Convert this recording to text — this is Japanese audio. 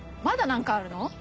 まだ何かあるの？